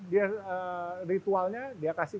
dia ritualnya dia kasih